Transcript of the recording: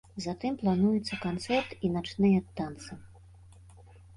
Затым плануецца канцэрт і начныя танцы.